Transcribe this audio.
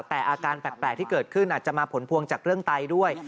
แต่อาการแปลกที่เกิดขึ้นอาจจะมาผลพวงจากเรื่องไตด้วย